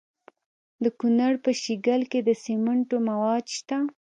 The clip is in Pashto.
د کونړ په شیګل کې د سمنټو مواد شته.